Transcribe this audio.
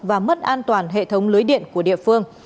và mất an toàn hệ thống lưới điện của địa phương